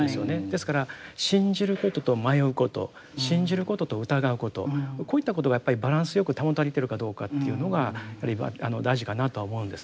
ですから信じることと迷うこと信じることと疑うことこういったことがやっぱりバランスよく保たれてるかどうかというのが大事かなとは思うんですね。